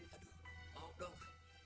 aduh mau dong